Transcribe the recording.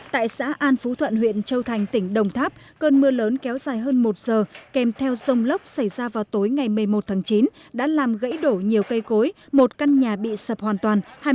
tại xã an phú thuận huyện châu thành tỉnh đồng tháp cơn mưa lớn kéo dài hơn một giờ kèm theo rông lốc xảy ra vào tối ngày một mươi một tháng chín đã làm gãy đổ nhiều cây cối một căn nhà bị sập hoàn toàn